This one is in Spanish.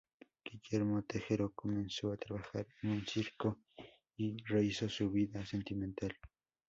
Guillermo Tejero comenzó a trabajar en un circo y rehízo su vida sentimental.